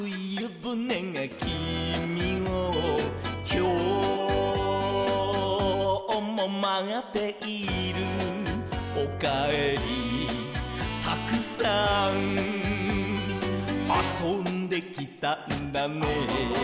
「きょうもまっている」「おかえりたくさん」「あそんできたんだね」